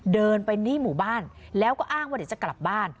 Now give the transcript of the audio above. เดินไปนี่หมู่บ้านแล้วก็อ้างว่าเดี๋ยวจะกลับบ้าน